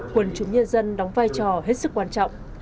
quần chúng nhân dân đóng vai trò hết sức quan trọng